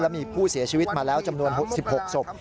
มีผู้เสียชีวิตมาแล้วจำนวน๑๖ศพ